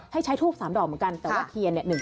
ให้ใช้ทูบ๓ดอกเหมือนกันแต่ว่าเทียนเนี่ย